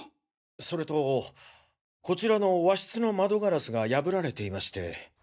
それとこちらの和室の窓ガラスが破られていまして。